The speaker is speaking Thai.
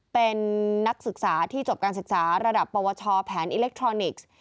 เป็นนักศึกษาที่จบการศึกษาระดับปวชแผนอิเล็กทรอนิกส์